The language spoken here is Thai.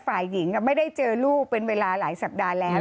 ฝ่ายหญิงไม่ได้เจอลูกเป็นเวลาหลายสัปดาห์แล้ว